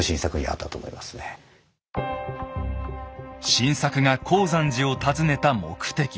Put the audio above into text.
晋作が功山寺を訪ねた目的。